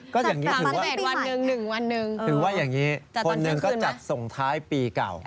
ก็อย่างนี้ถือว่าอย่างนี้คนหนึ่งก็จัดส่งท้ายปีเก่า